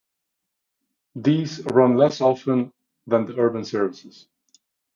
These run less often than the urban services.